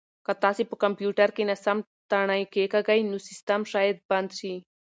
که تاسي په کمپیوټر کې ناسم تڼۍ کېکاږئ نو سیسټم شاید بند شي.